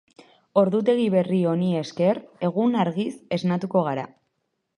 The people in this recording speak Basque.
Ordutegi berri honi esker, egun-argiz esnatuko gara.